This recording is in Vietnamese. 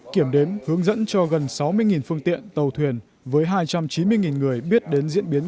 kiểm đếm hướng dẫn cho gần sáu mươi phương tiện tàu thuyền với hai trăm chín mươi người biết đến diễn biến